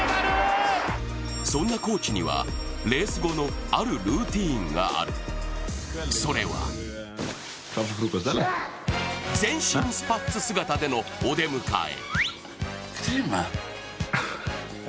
そんなコーチにはレース後のあるルーチンがある、それは全身スパッツ姿でのお出迎え。